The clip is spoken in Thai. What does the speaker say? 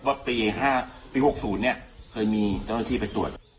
ปี๕ปี๖๐เนี่ยเคยมีเจ้าหน้าที่ไปตรวจ